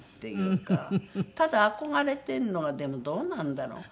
ただ憧れてるのはでもどうなんだろう？